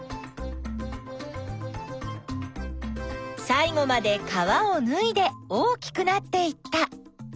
さい後まで皮をぬいで大きくなっていった。